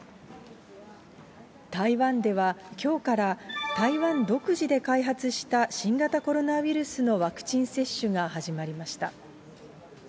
台湾では、きょうから台湾独自で開発した新型コロナウイルスのワクチン接種が始まりました。